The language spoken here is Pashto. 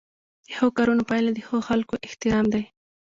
د ښو کارونو پایله د خلکو احترام دی.